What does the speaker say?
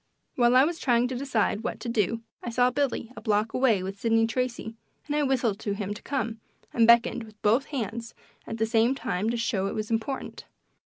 While I was trying to decide what to do I saw Billy a block away with Sidney Tracy, and I whistled to him to come, and beckoned with both hands at the same time to show it was important.